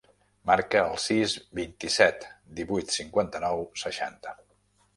Marca el sis, vint-i-set, divuit, cinquanta-nou, seixanta.